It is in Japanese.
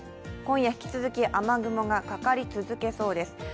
今夜、引き続き雨雲がかかり続けそうです。